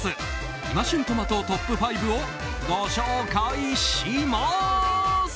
今旬トマトトップ５をご紹介します！